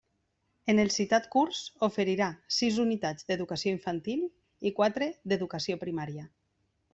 En el citat curs oferirà sis unitats d'Educació Infantil i quatre d'Educació Primària.